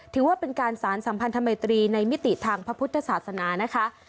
ถือว่าเป็นการสารสัมพันธมิตรีในมิติทางพระพุทธศาสนานะคะ